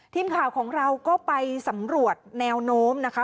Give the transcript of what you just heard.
ทีมข่าวของเราก็ไปสำรวจแนวโน้มนะคะ